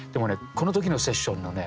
この時のセッションもね